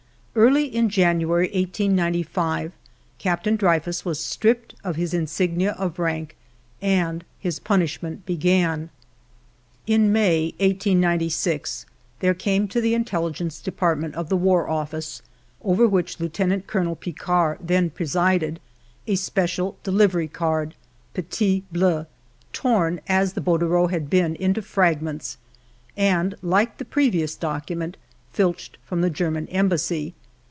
Early in January, 1895, Captain Dreyfus was stripped of his insignia of rank, and his punish ment began. EDITOR'S PREFACE xi In May, 1896, there came to the Intelligence Department of the War Office, over which Lieutenant Colonel Picquart then presided, a special delivery card {petit bleu ) torn, as the bordereau had been, into fragments, and, like the previous document, filched from the German Embassy.